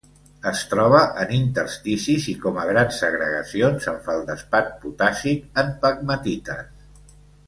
Es troba en intersticis i com a grans segregacions en feldespat potàssic en pegmatites.